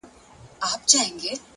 د موخې ځواک ستړیا شاته پرېږدي!.